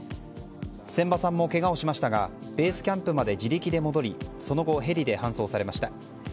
センバさんもけがをしましたがベースキャンプまで自力で戻りその後ヘリで搬送されました。